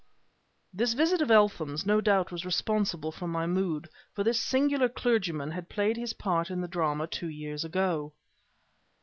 This visit of Eltham's no doubt was responsible for my mood; for this singular clergyman had played his part in the drama of two years ago.